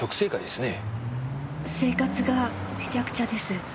生活がめちゃくちゃです。